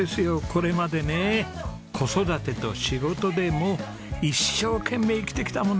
これまでね子育てと仕事でもう一生懸命生きてきたもんね。